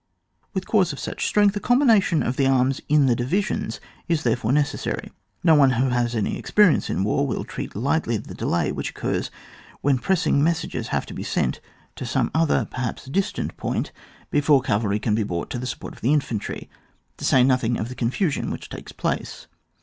With corps of such strength, a combina tion of the arms in the divisions is there fore necessary. No one who has had any experience in war, will treat lightly the delay which occurs when pressing mes sages have to be sent to some other perhaps distant point before cavalry can be brought to the support of infantry — to say nothing of the confusion which takes place.